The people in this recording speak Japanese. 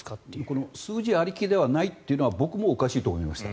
この数字ありきではないというのは僕もおかしいと思いました。